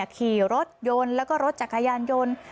ขี่รถยนต์แล้วก็รถจักรยานยนต์